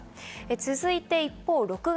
続いて一方、６月。